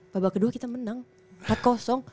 babak kedua kita menang